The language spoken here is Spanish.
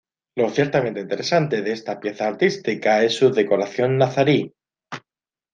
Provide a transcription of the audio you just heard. Lo ciertamente interesante de esta pieza artística es su decoración nazarí.